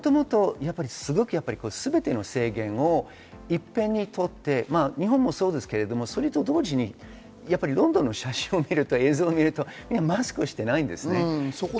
もともと全ての制限をいっぺんにとって、日本もそうですけど、それと同時にロンドンの写真を見るとマスクをしていないんです。